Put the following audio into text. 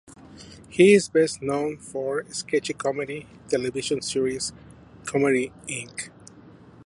He is best known for sketch comedy television series "Comedy Inc".